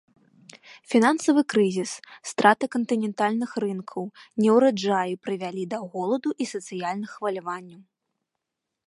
Фінансавы крызіс, страта кантынентальных рынкаў, неўраджаі прывялі да голаду і сацыяльных хваляванняў.